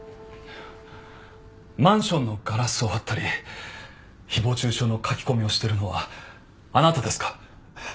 マンションのガラスを割ったり誹謗中傷の書き込みをしてるのはあなたですか？